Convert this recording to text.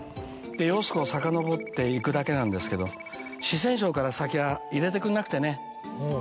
揚子江をさかのぼっていくだけなんですけど四川省から先は入れてくれなくてね。